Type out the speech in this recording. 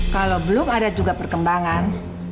kalau belum ada juga perkembangan